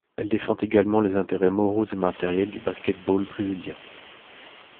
Elle défend également les intérêts moraux et matériels du basket-ball brésilien.